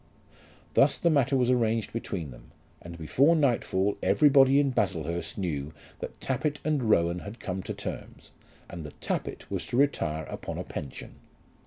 Thus the matter was arranged between them, and before nightfall everybody in Baslehurst knew that Tappitt and Rowan had come to terms, and that Tappitt was to retire upon a pension.